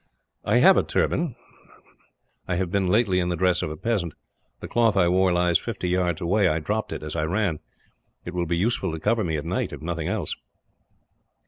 "I have a turban. I have been, lately, in the dress of a peasant. The cloth I wore lies fifty yards away; I dropped it as I ran. It will be useful to cover me at night, if for nothing else."